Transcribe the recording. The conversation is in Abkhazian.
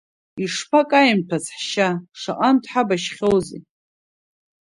Ишԥакаимҭәац ҳшьа, шаҟантә дҳабашьхьоузеи.